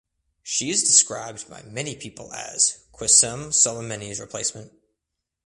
She is described by many people as "Qasem Soleimani’s replacement".